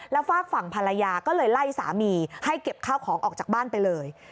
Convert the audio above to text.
แล้วฝากฝั่งภรรยาก็เลยไล่สามีให้เก็บข้าวของออกจากบ้านไปเลย